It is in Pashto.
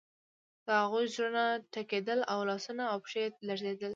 د هغوی زړونه ټکیدل او لاسونه او پښې یې لړزیدې